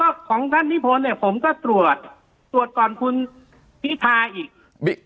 ก็ของท่านนิพนธ์เนี่ยผมก็ตรวจตรวจก่อนคุณพิธาอีก